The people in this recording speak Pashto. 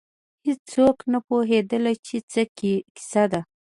هېڅوک نه پوهېدل چې څه کیسه ده.